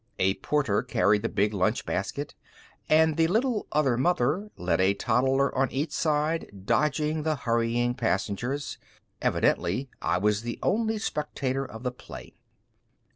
A porter carried the big lunch basket, and the little other mother led a toddler on each side, dodging the hurrying passengers. Evidently I was the only spectator of the play.